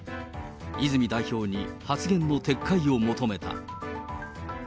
泉代表に発言の撤回を求めた。